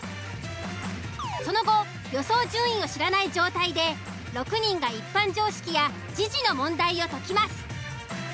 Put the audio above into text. その後予想順位を知らない状態で６人が一般常識や時事の問題を解きます。